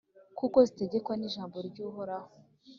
kuko zitegekwa n’ijambo ry’Uhoraho,